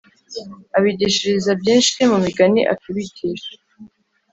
Abigishiriza byinshi mu migani akibigisha